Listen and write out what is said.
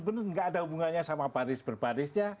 bener nggak ada hubungannya sama baris berbarisnya